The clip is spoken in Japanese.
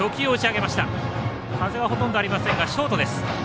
風はほとんどありませんがショートです。